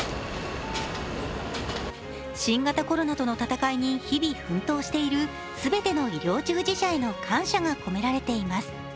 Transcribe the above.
新型コロナとの戦いに日々奮闘している、全ての医療従事者への感謝が込められています。